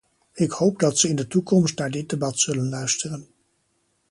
Ik hoop dat ze in de toekomst naar dit debat zullen luisteren.